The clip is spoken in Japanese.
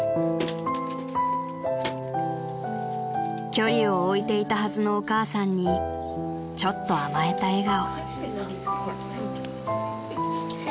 ［距離を置いていたはずのお母さんにちょっと甘えた笑顔］